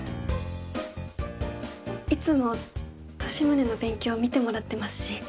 いつも利宗の勉強見てもらってますし。